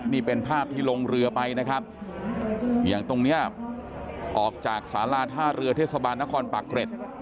นี่เป็นภาพที่ลงเรือไปนะครับอย่างตรงเนี้ยออกจากสาราท่าเรือเทศบาลนครปากเกร็ด